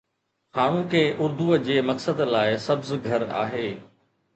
هاڻوڪي اردوءَ جي مقصد لاءِ سبز گهر آهي